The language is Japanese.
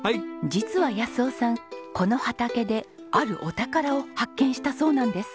実は夫さんこの畑であるお宝を発見したそうなんです。